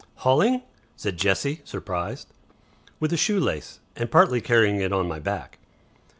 "Hauling!" said Jessie, surprised. "With a shoe lace. And partly carrying it on my back."